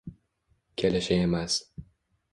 Kelishi emas…